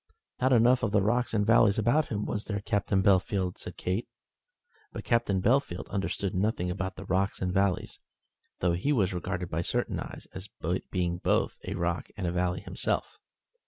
"Not enough of the rocks and valleys about him, was there, Captain Bellfield?" said Kate. But Captain Bellfield understood nothing about the rocks and valleys, though he was regarded by certain eyes as being both a rock and a valley himself.